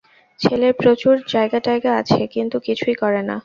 ছেলের প্রচুর জায়গাটায়গা আছে, কিন্তু কিছুই করে না।